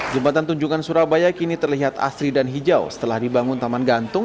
jembatan tunjungan surabaya kini terlihat asri dan hijau setelah dibangun taman gantung